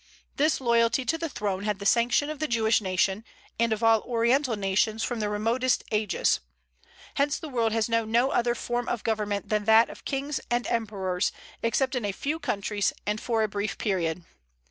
This loyalty to the throne had the sanction of the Jewish nation, and of all Oriental nations from the remotest ages. Hence the world has known no other form of government than that of kings and emperors, except in a few countries and for a brief period.